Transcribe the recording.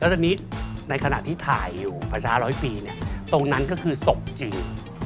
ตอนนี้ในขณะที่ถ่ายอยู่ประชาร้อยปีเนี่ยตรงนั้นก็คือศพจริง